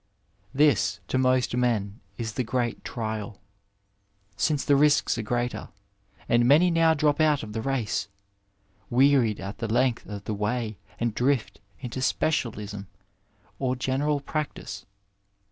This, to most men, is the great trial, since the risks are greater, and many now drop out of the race, wearied at the length of the way and drift into specialism or general practice.